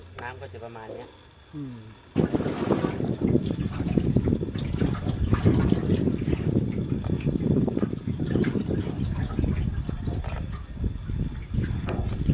น้ำก็จะประมาณนี้